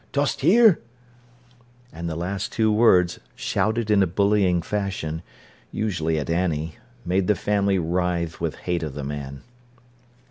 Dost hear?" And the two last words, shouted in a bullying fashion, usually at Annie, made the family writhe with hate of the man.